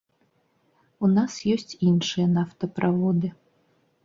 У нас ёсць іншыя нафтаправоды.